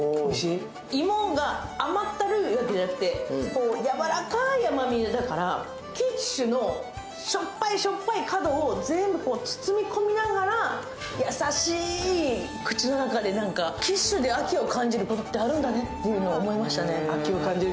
芋が甘ったるいわけじゃなくてやわらかい甘みだから、キッシュのしょっぱいしょっぱい角を全部こう、包み込みながら優しい、口の中で、口の中で、キッシュで秋を感じることってあるんだねって思いましたね。